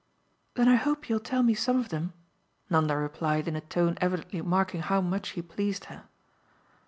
"Then I hope you'll tell me some of them," Nanda replied in a tone evidently marking how much he pleased her.